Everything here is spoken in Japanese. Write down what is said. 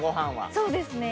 そうですね。